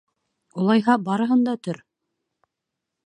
— Улайһа, барыһын да төр!